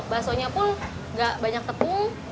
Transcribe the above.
basonya pun nggak banyak tepung